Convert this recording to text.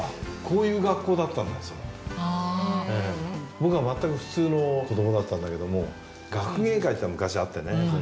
僕は全く普通の子どもだったんだけども学芸会っていうのが昔あってね。